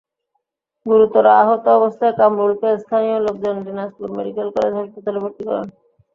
গুরুতর আহত অবস্থায় কামরুলকে স্থানীয় লোকজন দিনাজপুর মেডিকেল কলেজ হাসপাতালে ভর্তি করেন।